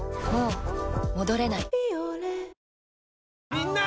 みんな！